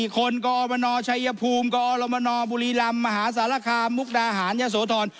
คนกอมนชัยภูมิกอรมนบุรีลำมหาสารคามมุกดาหารยะโสธร